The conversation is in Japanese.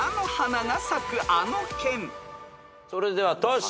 それではトシ。